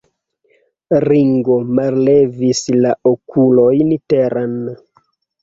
Ringo mallevis la okulojn teren.